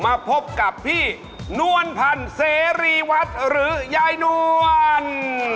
มาพบกับพี่นวลพันธ์เสรีวัฒน์หรือยายนวล